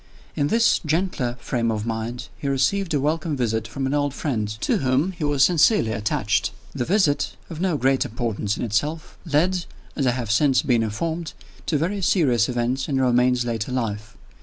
In this gentler frame of mind he received a welcome visit from an old friend, to whom he was sincerely attached. The visit of no great importance in itself led, as I have since been informed, to very serious events in Romayne's later life.